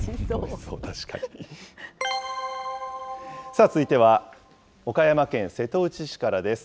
さあ、続いては岡山県瀬戸内市からです。